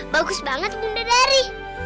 bagus banget bunda dari